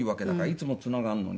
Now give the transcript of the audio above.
いつもつながるのに。